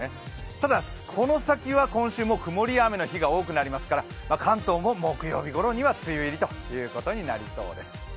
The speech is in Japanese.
ただこの先は今週、もう曇りや雨の日が多くなりますから関東も木曜日ごろには梅雨入りとなりそうです。